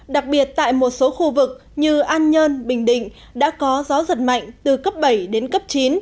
đặc biệt tại một số khu vực như an nhơn bình định đã có gió giật mạnh từ cấp bảy đến cấp chín